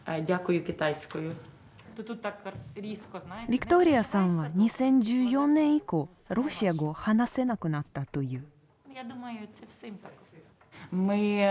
ヴィクトリアさんは２０１４年以降ロシア語を話せなくなったという。